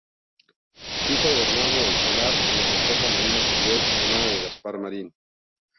Hijo de Bernardo del Solar y de Josefa Marín Esquivel, hermana de Gaspar Marín.